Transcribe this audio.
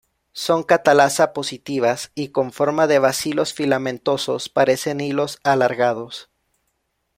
Son catalasa-positivas y con forma de bacilos filamentosos, parecen hilos alargados.